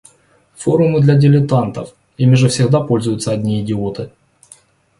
Форумы для дилетантов. Ими же всегда пользуются одни идиоты!